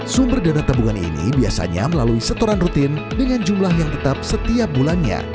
sumber dana tabungan ini biasanya melalui setoran rutin dengan jumlah yang tetap setiap bulannya